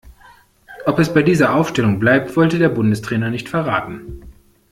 Ob es bei dieser Aufstellung bleibt, wollte der Bundestrainer nicht verraten.